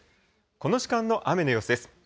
この時間の雨の様子です。